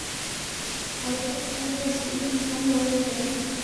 او د بل کرار زگيروي هم واورېدل.